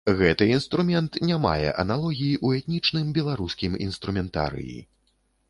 Гэты інструмент не мае аналогій у этнічным беларускім інструментарыі.